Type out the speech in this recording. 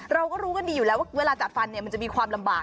เราก็รู้กันดีอยู่แล้วว่าเวลาจัดฟันมันจะมีความลำบาก